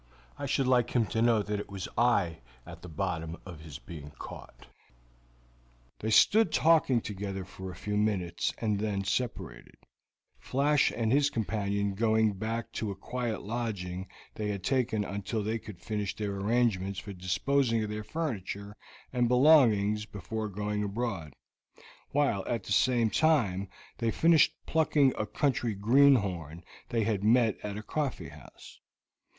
I should like him to know that I was at the bottom of his being caught." They stood talking together for a few minutes, and then separated, Flash and his companion going back to a quiet lodging they had taken until they could finish their arrangements for disposing of their furniture and belongings before going abroad, while at the same time they finished plucking a country greenhorn they had met at a coffee house.